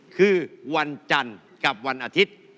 คือวันจันทร์กับวันอาทิตย์